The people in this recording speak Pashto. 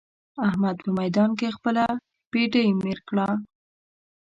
احمد په ميدان کې خپله بېډۍ مير کړه.